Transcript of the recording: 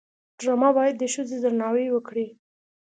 ډرامه باید د ښځو درناوی وکړي